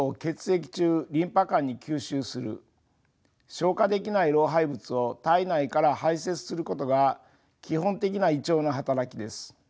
消化できない老廃物を体内から排せつすることが基本的な胃腸の働きです。